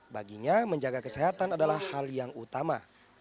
baginya menjaga kesehatan adalah hal yang utama